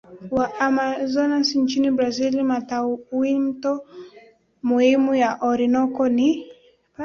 wa Amazonas nchini Brazil Matawimto muhimu ya Orinoco ni